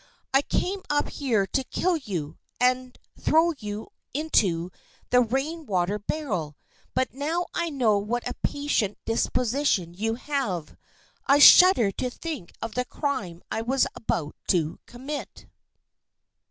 I came up here to kill you and throw you into the rain water barrel, but now that I know what a patient disposition you have, I shudder to think of the crime I was about to commit."